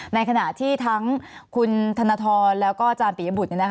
ในขณะที่ทั้งคุณธนทรแล้วก็อาจารย์ปียบุตร